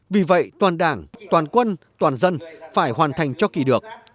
vì vậy toàn đảng toàn quân toàn dân phải hoàn thành cho kỳ được